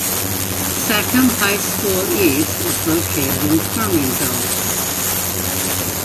Sachem High School East is located in Farmingville.